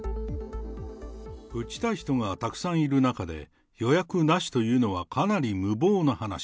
打ちたい人がたくさんいる中で、予約なしというのは、かなり無謀な話。